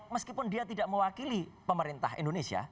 meskipun dia tidak mewakili pemerintah indonesia